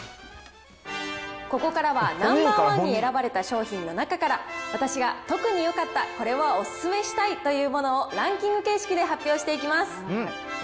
ここからはナンバー１に選ばれた商品の中から、私が特によかった、これはお勧めしたいというものをランキング形式で発表していきます。